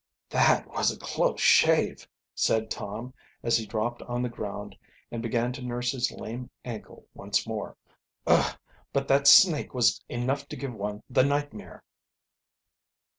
"That was a close shave," said Tom, as he dropped on the ground and began to nurse his lame ankle once more. "Ugh! but that snake was enough to give one the nightmare!"